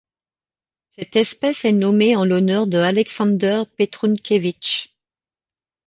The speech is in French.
Cette espèce est nommée en l'honneur de Alexander Petrunkevitch.